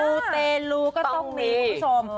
ูเตลูก็ต้องมีคุณผู้ชม